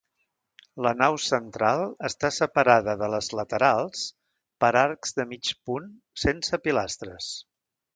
La nau central està separada de les laterals per arcs de mig punt sense pilastres.